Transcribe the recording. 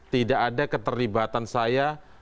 tidak ada keterlibatan saya